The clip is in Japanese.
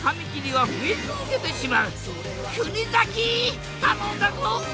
国崎頼んだぞ！